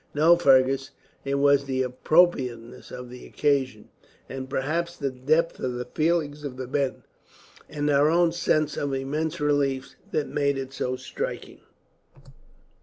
"No, Fergus; it was the appropriateness of the occasion, and perhaps the depth of the feelings of the men, and our own sense of immense relief, that made it so striking.